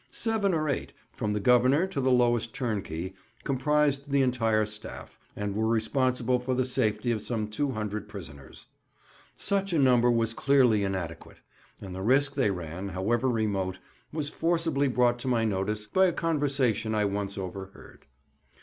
Seven or eight, from the Governor to the lowest turnkey, comprised the entire staff, and were responsible for the safety of some two hundred prisoners. Such a number was clearly inadequate, and the risk they ran, however remote, was forcibly brought to my notice by a conversation I once overheard.